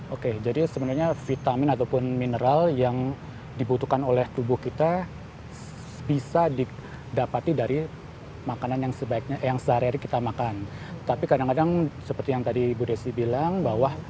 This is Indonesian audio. oke jadi sebenarnya vitamin ataupun mineral yang dibutuhkan oleh tubuh kita bisa didapati dari makanan yang sebaiknya yang sehari hari kita makan tapi kadang kadang seperti yang tadi bu desi bilang bahwa